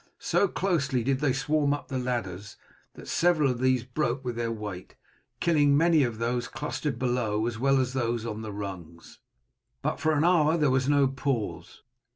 So closely did they swarm up the ladders that several of these broke with their weight, killing many of those clustered below as well as those on the rungs. But for an hour there was no pause.